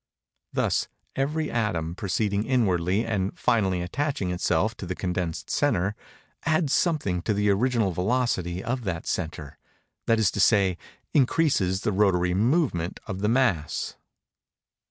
Thus every atom, proceeding inwardly, and finally attaching itself to the condensed centre, adds something to the original velocity of that centre—that is to say, increases the rotary movement of the mass.